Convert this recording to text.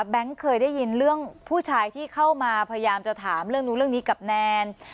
เคยได้ยินเรื่องผู้ชายที่เข้ามาพยายามจะถามเรื่องนู้นเรื่องนี้กับแนน